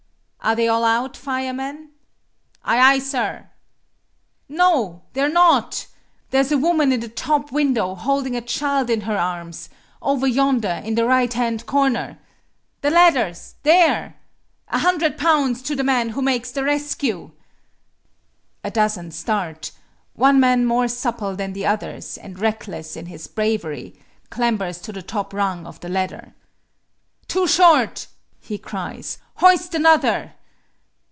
"Are they all out, firemen?" "Aye, aye, sir!" "No, they're not! There's a woman in the top window holding a child in her arms over yonder in the right hand corner! The ladders, there! A hundred pounds to the man who makes the rescue!" A dozen start. One man more supple than the others, and reckless in his bravery, clambers to the top rung of the ladder. "Too short!" he cries. "Hoist another!"